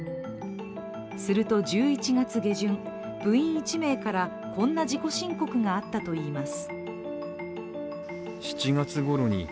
すると１１月下旬、部員１名からこんな自己申告があったといいます。